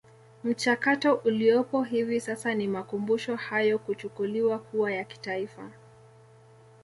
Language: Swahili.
Mchakato uliopo hivi sasa ni Makumbusho hayo kuchukuliwa kuwa ya Kitaifa